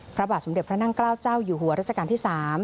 พระบาทสมเด็จพระนั่งเกล้าเจ้าอยู่หัวรัชกาลที่๓